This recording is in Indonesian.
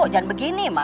jangan begini ma